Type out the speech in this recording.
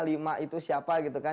lima itu siapa gitu kan